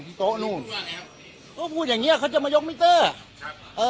โต๊ะนู่นเขาพูดอย่างเงี้ยเขาจะมายกมิเตอร์ครับเออ